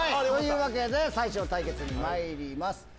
というわけで、最初の対決にまいります。